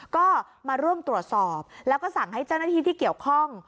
ก็มาร่วมตรวจสอบแล้วก็สั่งให้เจ้าหน้าที่ที่เกี่ยวข้อง